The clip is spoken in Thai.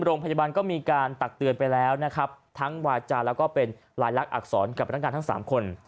โรงพยาบาลก็มีการตักเตือนไปแล้วนะครับทั้งวาจาแล้วก็เป็นลายลักษณอักษรกับพนักงานทั้งสามคน